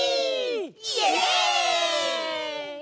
イエイ！